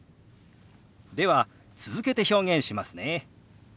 では続けて表現しますね。